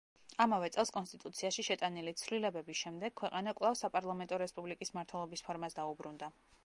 ამავე წელს კონსტიტუციაში შეტანილი ცვლილების შემდეგ ქვეყანა კვლავ საპარლამენტო რესპუბლიკის მმართველობის ფორმას დაუბრუნდა.